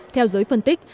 theo giới phân tích